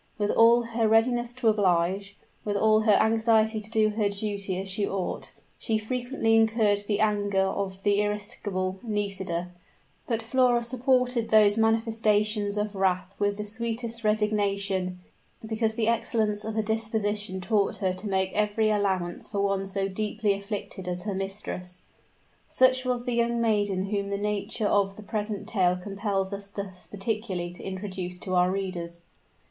With all her readiness to oblige with all her anxiety to do her duty as she ought, she frequently incurred the anger of the irascible Nisida; but Flora supported those manifestations of wrath with the sweetest resignation, because the excellence of her disposition taught her to make every allowance for one so deeply afflicted as her mistress. Such was the young maiden whom the nature of the present tale compels us thus particularly to introduce to our readers.